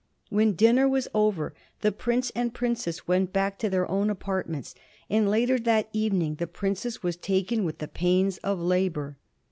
When dinner was over, the prince and princess went back to their own apart ments, and later that evening the princess was taken with the pains of labor.